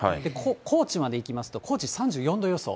高知までいきますと、高知３４度予想。